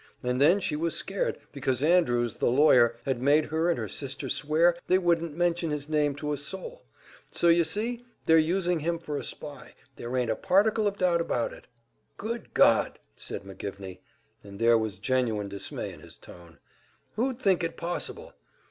And then she was scared, because Andrews, the lawyer, had made her and her sister swear they wouldn't mention his name to a soul. So you see, they're using him for a spy there ain't a particle of doubt about it." "Good God!" said McGivney, and there was genuine dismay in his tone. "Who'd think it possible?